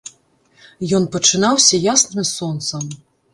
Ён пачынаўся ясным сонцам.